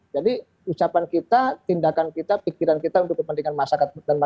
jadi ucapan kita tindakan kita pikiran kita untuk kepentingan masyarakat